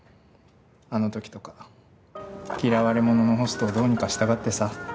あのときとか嫌われ者のホストをどうにかしたがってさ。